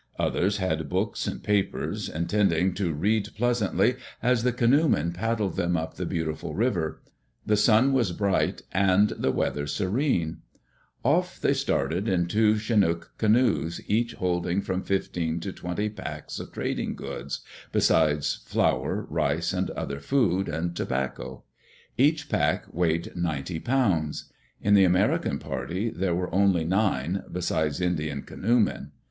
Others had books and papers, intending to read pleasantly as the canoemen paddled them up the beautiful river. The sun was bright and the weather serene. Digitized by CjOOQ IC THAT "INDIAN" THIEF Off they started In two Chinook canoes, each holding from fifteen to twenty packs of trading goods, besides flour, rice, and other food, and tobacco. Each pack weighed ninety pounds. In the American party there were only nine, besides Indian canoemen.